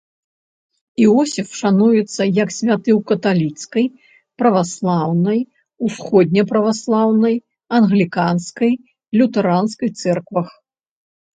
Іосіф шануецца як святы ў каталіцкай, праваслаўнай, усходняй праваслаўнай, англіканскай, лютэранскай цэрквах.